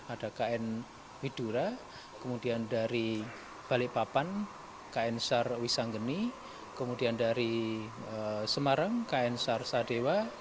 ada kn widura kemudian dari balikpapan kn sar wisanggeni kemudian dari semarang kn sar sadewa